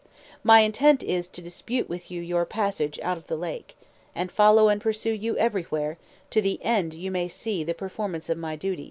My intent is, to dispute with you your passage out of the lake, and follow and pursue you everywhere, to the end you may see the performance of my duty.